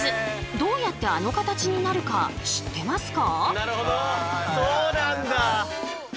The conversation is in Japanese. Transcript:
どうやってあの形になるか知ってますか？